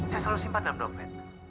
saya selalu simpan dalam dompet